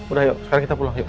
udah yuk sekarang kita pulang yuk